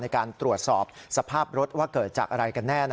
ในการตรวจสอบสภาพรถว่าเกิดจากอะไรกันแน่